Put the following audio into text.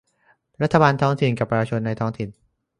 รัฐบาลท้องถิ่นกับประชาชนในท้องถิ่น